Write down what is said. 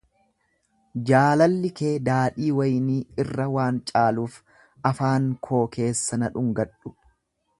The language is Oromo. Jaalalli kee daadhii waynii irra waan caaluuf, afaan koo keessa na dhungadhu!